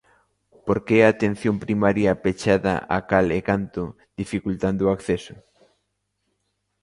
¿Por que a atención primaria pechada a cal e canto dificultando o acceso?